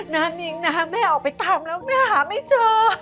น้ำนิ้งนะคะแม่ออกไปตามแล้วแม่หาไม่เจอ